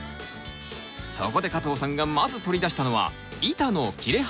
そこで加藤さんがまず取り出したのは板の切れ端。